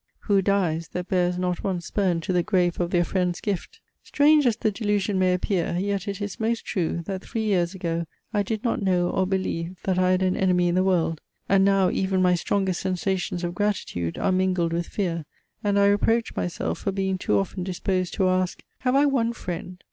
Who dies, that bears Not one spurn to the grave of their friends' gift? Strange as the delusion may appear, yet it is most true, that three years ago I did not know or believe that I had an enemy in the world: and now even my strongest sensations of gratitude are mingled with fear, and I reproach myself for being too often disposed to ask, Have I one friend?